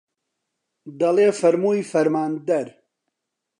دەڵێ فەرمووی فەرماندەر